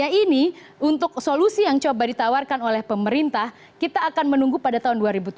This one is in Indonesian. jadi ini untuk solusi yang coba ditawarkan oleh pemerintah kita akan menunggu pada tahun dua ribu tujuh belas